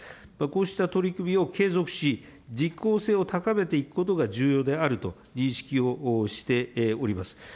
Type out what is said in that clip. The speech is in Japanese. こうした取り組みを継続し、実効性を高めていくことが重要であると認識をしております。